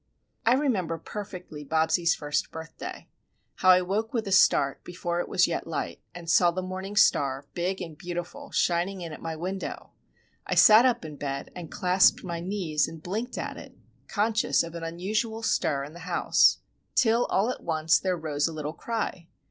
I remember perfectly Bobsie's first birthday. How I woke with a start, before it was yet light, and saw the morning star, big and beautiful, shining in at my window. I sat up in bed, and clasped my knees and blinked at it,—conscious of an unusual stir in the house. Till all at once there rose a little cry!